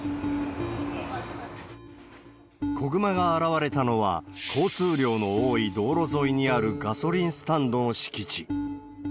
子グマが現れたのは、交通量の多い道路沿いにあるガソリンスタンドの敷地。